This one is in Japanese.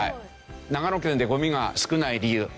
長野県でゴミが少ない理由。